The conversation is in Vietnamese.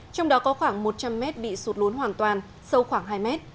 trong đó có khoảng một trăm linh m bị sụt lún hoàn toàn sâu khoảng hai m